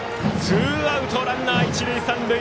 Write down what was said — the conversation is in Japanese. ツーアウト、ランナー、一塁三塁。